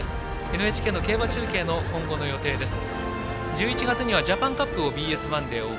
ＮＨＫの競馬中継の今後の予定です。